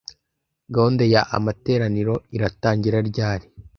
Gahunda ya amateraniro iratangira ryari